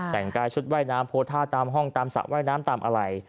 แต่งกายชุดว่ายน้ำโพท่าตามห้องตามสระว่ายน้ำตามอะไร